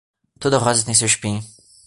Toda rosa tem seu espinho.